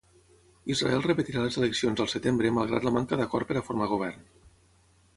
Israel repetirà les eleccions al setembre malgrat la manca d'acord per a formar govern.